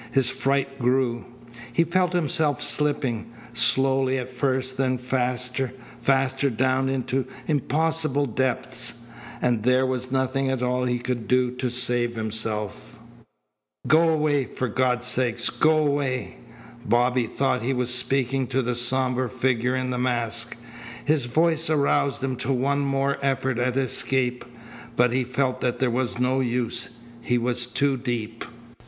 His fright grew. He felt himself slipping, slowly at first then faster, faster down into impossible depths, and there was nothing at all he could do to save himself. "Go away! For God's sake, go away!" Bobby thought he was speaking to the sombre figure in the mask. His voice aroused him to one more effort at escape, but he felt that there was no use. He was too deep.